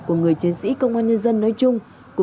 của người chiến sĩ công an nhân dân nói chung